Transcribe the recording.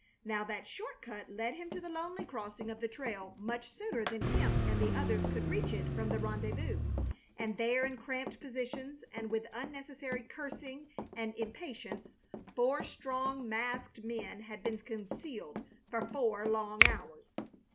Now that short cut led him to the lonely crossing of the trail much sooner than Kemp and the others could reach it from the rendezvous; and there in cramped positions, and with much unnecessary cursing and impatience, four strong masked men had been concealed for four long hours.